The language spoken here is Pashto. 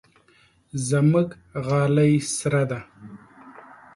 زموږ غالۍ سره ده.